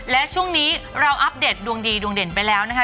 และช่วงนี้เราอัปเดตดวงดีดวงเด่นไปแล้วนะคะ